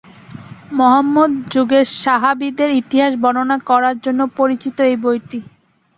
মুহাম্মদ যুগের সাহাবীদের ইতিহাস বর্ণনা করার জন্য পরিচিত এই বইটি।